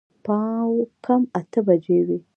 پاو کم اته بجې وې.